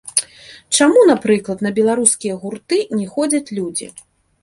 Чаму, напрыклад, на беларускія гурты не ходзяць людзі?